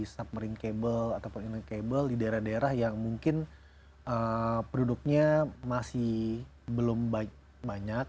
submarine cable ataupun in cable di daerah daerah yang mungkin produknya masih belum baik banyak